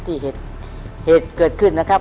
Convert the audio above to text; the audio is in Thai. เหตุเกิดขึ้นนะครับ